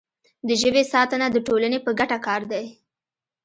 د ژبې ساتنه د ټولنې په ګټه کار دی.